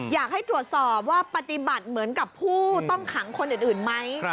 อยากให้ตรวจสอบว่าปฏิบัติเหมือนกับผู้ต้องขังคนอื่นไหม